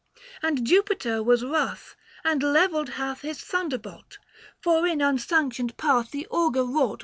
And Jupiter was wrath, and levelled hath His thunderbolt, for in unsanctioned path 9L5 Book VI.